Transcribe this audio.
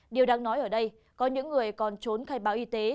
điều đang nói ở đây có những người còn trốn khai báo y tế